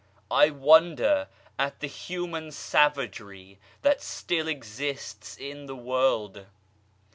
I wonder at the human savagery that still exists in the world